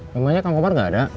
memangnya kang komar gak ada